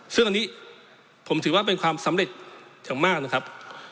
ซึ่งอันนี้ผมถือว่าเป็นความสำเร็จอย่างมากนะครับ